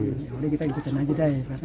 ya udah kita ikutin lagi day